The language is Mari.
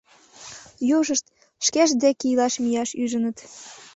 Южышт шкешт деке илаш мияш ӱжыныт.